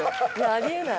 あり得ない。